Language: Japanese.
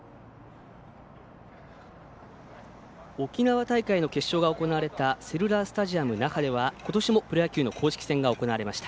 沖縄大会の決勝が行われたセルラースタジアム那覇ではことしもプロ野球の公式戦が行われました。